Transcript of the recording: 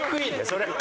それ。